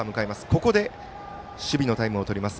ここで、守備のタイムをとります。